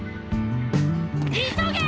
急げ！